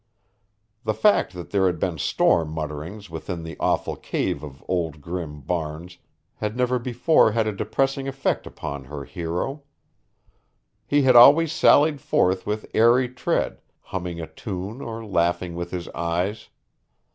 The fact that there had been storm mutterings within the awful cave of Old Grim Barnes had never before had a depressing effect upon her hero. He had always sallied forth with airy tread, humming a tune or laughing with his eyes.